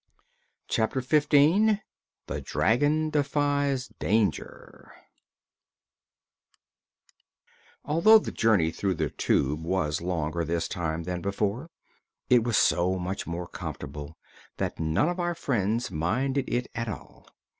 Chapter Fifteen The Dragon Defies Danger Although the journey through the Tube was longer, this time, than before, it was so much more comfortable that none of our friends minded it at all.